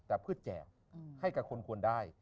แต่เพื่อแจกให้กับคนควรได้